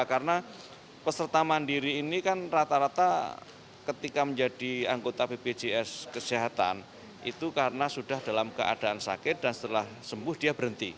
karena peserta mandiri ini kan rata rata ketika menjadi anggota bpjs kesehatan itu karena sudah dalam keadaan sakit dan setelah sembuh dia berhenti